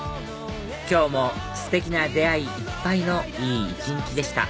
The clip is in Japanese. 今日もステキな出会いいっぱいのいい一日でした